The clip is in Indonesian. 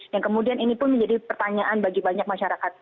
yang kemudian ini pun menjadi pertanyaan bagi banyak masyarakat